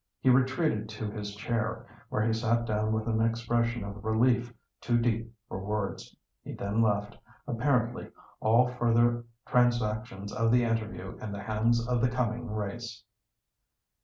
He retreated to his chair, where he sat down with an expression of relief too deep for words. He then left, apparently, all further transactions of the interview in the hands of the "coming race."